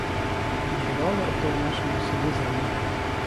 Межували ото в нашому селі землі.